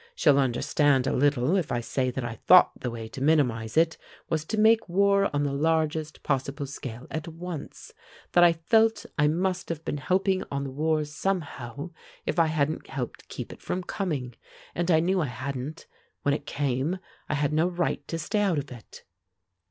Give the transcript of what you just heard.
She'll understand a little if I say that I thought the way to minimize it was to make war on the largest possible scale at once that I felt I must have been helping on the war somehow if I hadn't helped keep it from coming, and I knew I hadn't; when it came, I had no right to stay out of it."